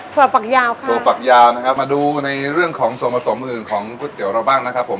ฝักยาวค่ะถั่วฝักยาวนะครับมาดูในเรื่องของส่วนผสมอื่นของก๋วยเตี๋ยวเราบ้างนะครับผม